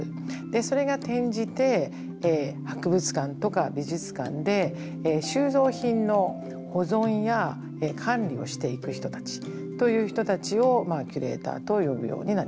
それが転じて博物館とか美術館で収蔵品の保存や管理をしていく人たちという人たちをキュレーターと呼ぶようになります。